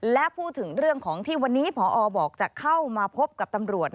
และพูดถึงเรื่องของที่วันนี้พอบอกจะเข้ามาพบกับตำรวจ